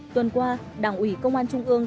tuần qua đảng ủy công an trung ương